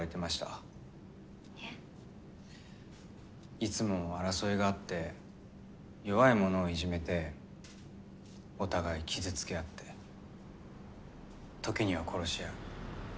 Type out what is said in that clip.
いつも争いがあって弱いものをいじめてお互い傷つけ合って時には殺し合う。